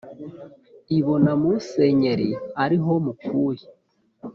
ibona musenyeri ari ho mukuye